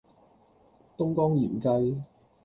東江鹽雞